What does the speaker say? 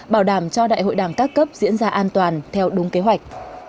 bảo đảm cho đại hội đảng các cấp diễn ra an toàn theo đúng kế hoạch